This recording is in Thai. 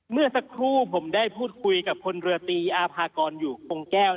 เมื่อสักครู่ผมได้พูดคุยกับคนเรือตีอาภากรอยู่คงแก้ว